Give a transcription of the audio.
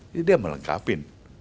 ini dia melengkapi